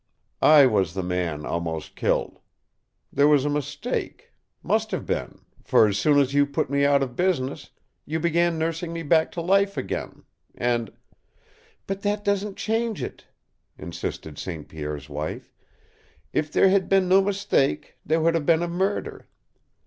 I was the man almost killed. There was a mistake, must have been, for as soon as you put me out of business you began nursing me back to life again. And " "But that doesn't change it," insisted St. Pierre's wife. "If there had been no mistake, there would have been a murder.